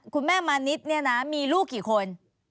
คุณแม่มานิดเนี่ยนะมีลูกกี่คน